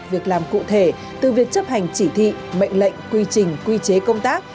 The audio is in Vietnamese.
việc làm cụ thể từ việc chấp hành chỉ thị mệnh lệnh quy trình quy chế công tác